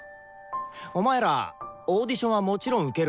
お前らオーディションはもちろん受けるだろ？